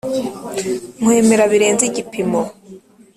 nkwemera birenze igipimo